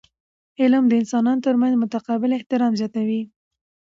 علم د انسانانو ترمنځ متقابل احترام زیاتوي.